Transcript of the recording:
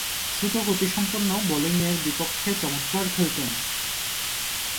দ্রুতগতিসম্পন্ন বোলিংয়ের বিপক্ষে চমৎকার খেলতেন।